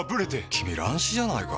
君乱視じゃないか？